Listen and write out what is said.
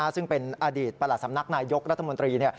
ซึ่งเป็นอดีตประหลัดสำนักนายยกรัฐมนตรี